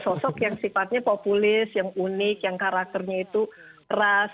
sosok yang sifatnya populis yang unik yang karakternya itu ras